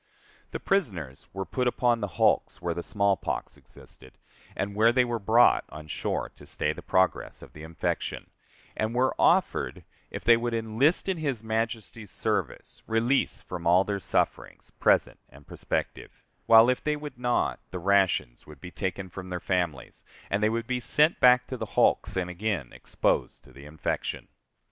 The prisoners were put upon the hulks, where the small pox existed, and where they were brought on shore to stay the progress of the infection, and were offered, if they would enlist in his Majesty's service, release from all their sufferings, present and prospective; while, if they would not, the rations would be taken from their families, and they would be sent back to the hulks and again exposed to the infection.